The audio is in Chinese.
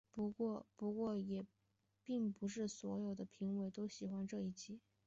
不过也并不是所有的评论员都喜欢这一集。